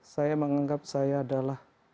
saya menganggap saya adalah